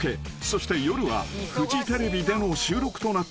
［そして夜はフジテレビでの収録となっている］